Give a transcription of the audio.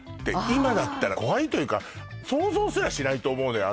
今だったら怖いというか想像すらしないと思うのよ